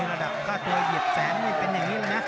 ระดับค่าตัวเหยียบแสนไม่เป็นอย่างนี้เลยนะ